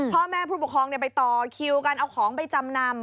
พ่อแม่ผู้ปกครองไปต่อคิวกันเอาของไปจำนำ